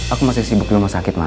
aku masih sibuk dulu mau sakit ma